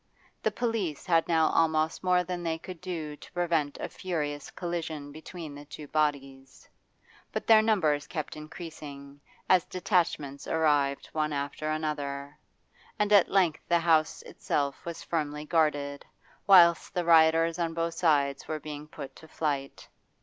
The police had now almost more than they could do to prevent a furious collision between the two bodies; but their numbers kept increasing, as detachments arrived one after another, and at length the house itself was firmly guarded, whilst the rioters on both sides were being put to flight.